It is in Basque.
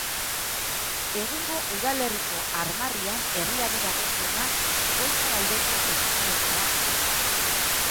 Egungo udalerriko armarrian herriari dagokiona goiko aldeko eskuinekoa da.